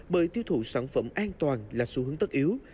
bởi tiêu thụ sản phẩm an toàn là xu hướng tất yếu